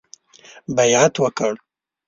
بیعت وکړ.